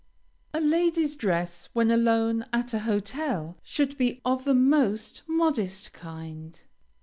A lady's dress, when alone at a hotel, should be of the most modest kind.